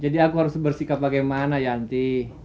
jadi aku harus bersikap bagaimana yanti